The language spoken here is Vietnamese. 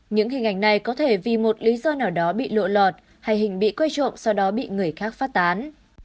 những hình ảnh này có thể vì một lý do nào đó bị lộ lọt hay hình bị quay trộm sau đó bị người khác phát tán